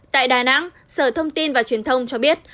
tại đà nẵng sở thông tin và truyền thông cho biết